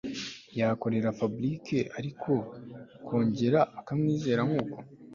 yakorera Fabric ariko akongera akamwizera nkuko